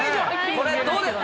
これ、どうですか。